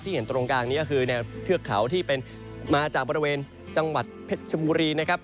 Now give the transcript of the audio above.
เห็นตรงกลางนี้ก็คือแนวเทือกเขาที่เป็นมาจากบริเวณจังหวัดเพชรชบุรีนะครับ